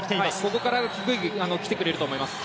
ここからきてくれると思います。